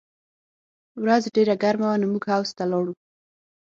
ورځ ډېره ګرمه وه نو موږ حوض ته لاړو